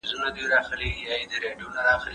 ما چي ول بالا به لمر وي باره باد و